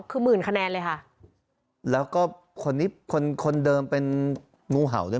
คือหมื่นคะแนนเลยค่ะแล้วก็คนนี้คนคนเดิมเป็นงูเห่าด้วย